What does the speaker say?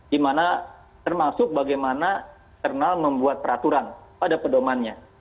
di mana termasuk bagaimana internal membuat peraturan pada pedomannya